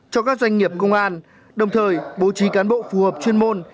cho các doanh nghiệp công an đồng thời bố trí cán bộ phù hợp chuyên môn